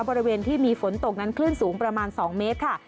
บริเวณที่มีฝนตกนั้นคลื่นสูงประมาณ๒เมตรค่ะ